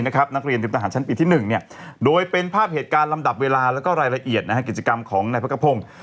นักเรียนเตรียมทหารชั้นปีที่๑โดยเป็นภาพเหตุการณ์ลำดับเวลาแล้วก็รายละเอียดกิจกรรมของนายพักกระพงศ์